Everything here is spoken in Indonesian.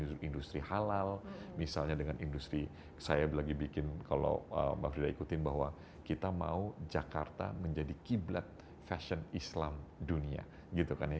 misalnya dengan industri halal misalnya dengan industri saya lagi bikin kalau mbak frida ikutin bahwa kita mau jakarta menjadi kiblat fashion islam dunia